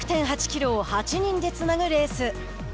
１０６．８キロを８人でつなぐレース。